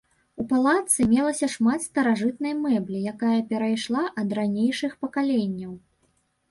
У палацы мелася шмат старажытнай мэблі, якая перайшла ад ранейшых пакаленняў.